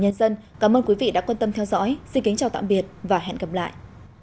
nhân dân cảm ơn quý vị đã quan tâm theo dõi xin kính chào tạm biệt và hẹn gặp lại